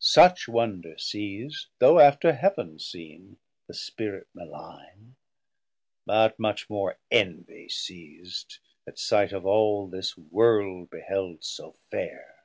Such wonder seis'd, though after Heaven seen, The Spirit maligne, but much more envy seis'd At sight of all this World beheld so faire.